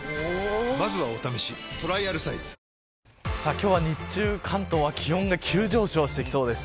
今日は日中関東は気温が急上昇してきそうです。